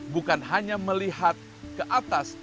bukan hanya melihat ke atas